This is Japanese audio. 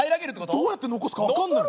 どうやって残すか分かんない。